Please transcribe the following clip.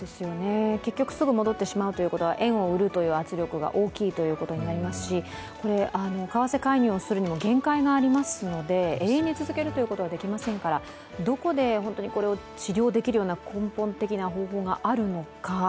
結局すぐに戻ってしまうということは円を売るという圧力が大きいということになりますし、為替介入をするにも限界がありますので、永遠に続けるということはできませんからどこでこれを治療できるような根本的な方法があるのか